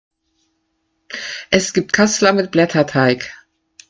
Es gibt Kassler mit Blätterteig.